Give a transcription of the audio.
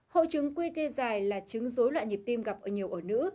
hội chứng quy tê giải là chứng dối loạn nhịp tim gặp ở nhiều ở nữ